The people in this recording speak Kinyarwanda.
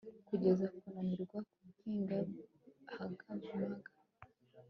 Kugeza kunanirwa guhinga huggermugger